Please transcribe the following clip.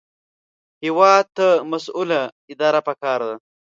هېواد ته مسؤله اداره پکار ده